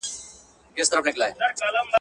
کرني پوهنځۍ له پامه نه غورځول کیږي.